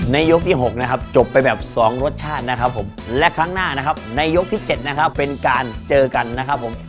ยกที่๖นะครับจบไปแบบ๒รสชาตินะครับผมและครั้งหน้านะครับในยกที่๗นะครับเป็นการเจอกันนะครับผม